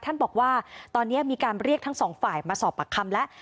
ท่านบอกว่าตอนนี้มีการเรียกทั้งสองฝ่ายมาสอบปากคำแล้ว